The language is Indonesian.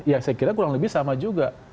ya saya kira kurang lebih sama juga